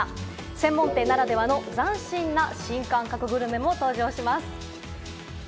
専門店ならではの斬新な新感覚グルメも登場します。